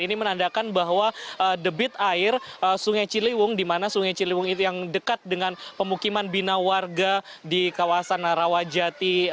ini menandakan bahwa debit air sungai ciliwung di mana sungai ciliwung itu yang dekat dengan pemukiman bina warga di kawasan rawajati